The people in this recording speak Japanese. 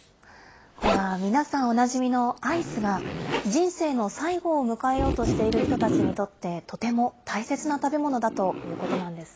これは皆さんおなじみのアイスが、人生の最期を迎えようとしている人たちにとって、とても大切な食べ物だということなんです。